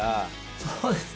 そうですね。